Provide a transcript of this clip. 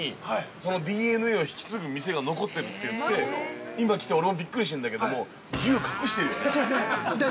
このＤＮＡを引き継ぐ店が残ってるっていって、今来て俺もびっくりしてるんだけども、牛隠してるよね。